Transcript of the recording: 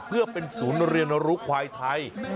เพื่อเป็นศูนย์เรียนรู้ควายไทย